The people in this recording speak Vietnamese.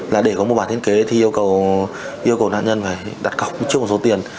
là để có một bản thiết kế thì yêu cầu nạn nhân phải đặt cọc trước một số tiền